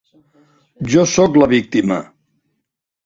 Jo soc la víctima!